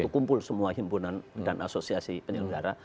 kumpul semua himpunan dan asosiasi penyelenggara